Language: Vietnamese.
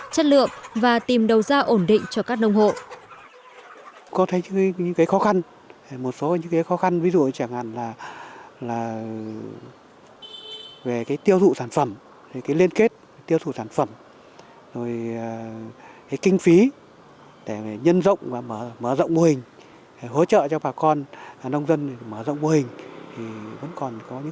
chất lượng và tìm đầu ra ổn định cho các nông hộ